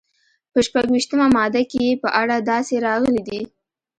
په شپږویشتمه ماده کې یې په اړه داسې راغلي دي.